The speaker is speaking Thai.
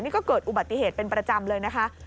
นี่ก็เกิดอุบัติเหตุเป็นประจำเลยนะคะ